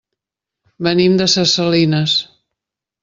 Venim de ses Salines.